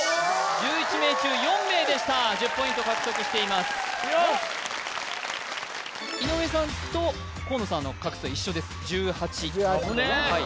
１１名中４名でした１０ポイント獲得しています・よし井上さんと河野さんの画数は一緒です１８危ねえ！